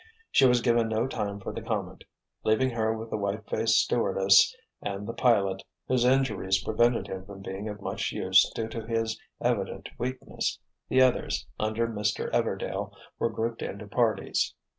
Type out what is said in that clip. She was given no time for the comment. Leaving her with the white faced stewardess and the pilot, whose injuries prevented him from being of much use due to his evident weakness, the others, under Mr. Everdail, were grouped into parties.